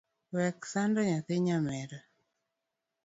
Wek sando nyathi nyamera.